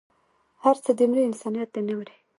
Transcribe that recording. هر څه دې مري انسانيت دې نه مري